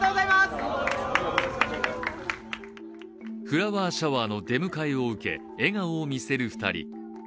フラワーシャワーの出迎えを受け笑顔を見せる２人。